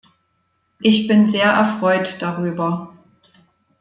Ich bin sehr erfreut darüber.